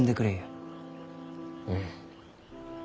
うん。